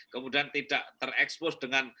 kemudian tidak terekspos dengan